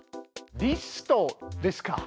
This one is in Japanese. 「リスト」ですか？